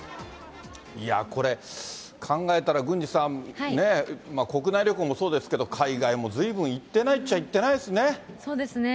いや、これ、考えたら郡司さん、国内旅行もそうですけど、海外もずいぶん行ってないっちゃ行ってないですね。